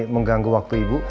mengganggu waktu ibu